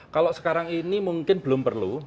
kalau sekarang ini mungkin belum perlu